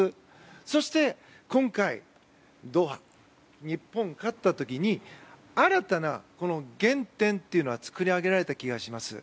そして今回、ドーハで日本が勝った時に新たな原点というのを作り上げられた気がします。